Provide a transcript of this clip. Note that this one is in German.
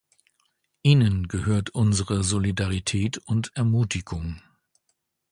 Ihnen gehört unsere Solidarität und Ermutigung.